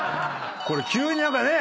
これ急に何かね。